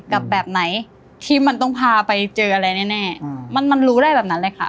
แบบไหนที่มันต้องพาไปเจออะไรแน่มันมันรู้ได้แบบนั้นเลยค่ะ